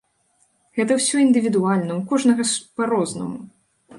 Гэта ўсё індывідуальна, у кожнага ж па-рознаму.